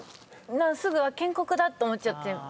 すぐ「建国」だって思っちゃって。